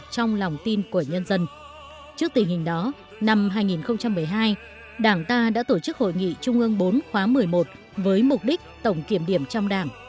trước tình hình đó năm hai nghìn một mươi hai đảng ta đã tổ chức hội nghị trung ương bốn khóa một mươi một với mục đích tổng kiểm điểm trong đảng